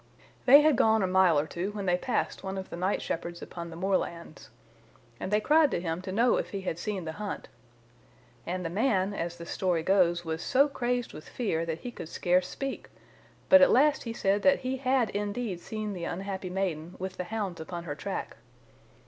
"They had gone a mile or two when they passed one of the night shepherds upon the moorlands, and they cried to him to know if he had seen the hunt. And the man, as the story goes, was so crazed with fear that he could scarce speak, but at last he said that he had indeed seen the unhappy maiden, with the hounds upon her track.